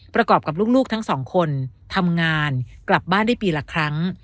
ประกอบกับลูกทั้งสองคนทำงานกลับบ้านได้ปีละครั้ง